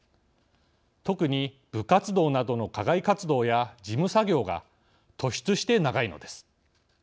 特に部活動などの課外活動や事務作業が突出して長いのです。